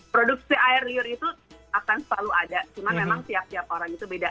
produksi air liur itu akan selalu ada cuman memang tiap tiap orang itu beda